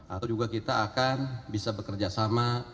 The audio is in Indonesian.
atau juga kita akan bisa bekerjasama